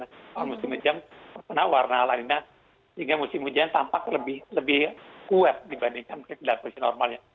awal musim hujan pernah warna lanina sehingga musim hujan tampak lebih kuat dibandingkan kelihatan normalnya